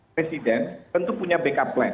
presiden tentu punya backup plan